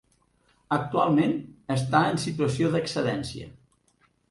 Actualment està en situació d'excedència.